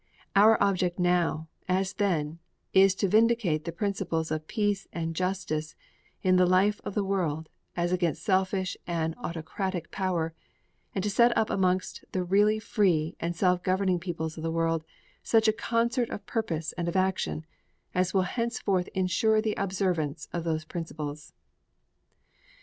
Our object now, as then, is to vindicate the principles of peace and justice in the life of the world as against selfish and autocratic power and to set up amongst the really free and self governed peoples of the world such a concert of purpose and of action as will henceforth ensure the observance of those principles.